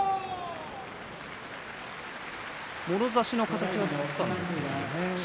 もろ差しの形は作ったんですがね。